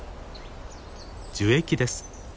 樹液です。